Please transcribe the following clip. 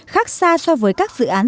khác xa so với các dự án